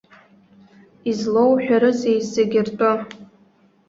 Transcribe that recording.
Излоуҳәарызеи зегьы ртәы!